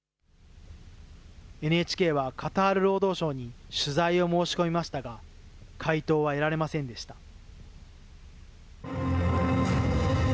ＮＨＫはカタール労働省に取材を申し込みましたが、回答は得られませんでした。